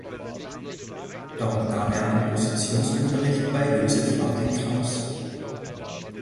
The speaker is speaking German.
Dort nahm er Kompositionsunterricht bei Joseph Martin Kraus.